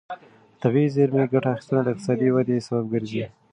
د طبیعي زېرمې ګټه اخیستنه د اقتصادي ودې سبب ګرځي.